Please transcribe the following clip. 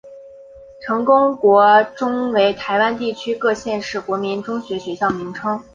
成功国中为台湾地区各县市国民中学学校名称。